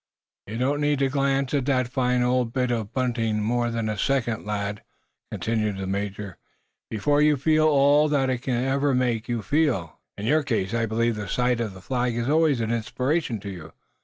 "You don't need to glance at that fine old bit of bunting more than a second, lad," continued the major, "before you feel all that it can ever make you feel. In your case, I believe the sight of the Flag is always an inspiration to you.